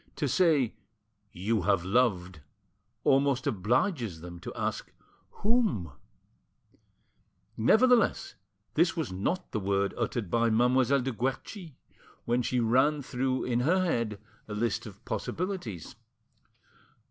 To say "You have loved" almost obliges them to ask "Whom?" Nevertheless, this was not the word uttered by Mademoiselle de Guerchi while she ran through in her head a list of possibilities.